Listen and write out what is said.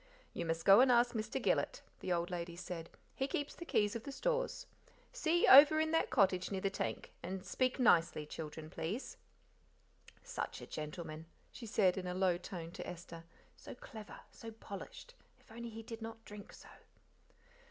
"You must go and ask Mr. Gillet," the old lady said; "he keeps the keys of the stores. See, over in that cottage near the tank, and speak nicely, children, please." "Such a gentleman," she said in a low tone to Esther, "so clever, so polished, if only he did not drink so."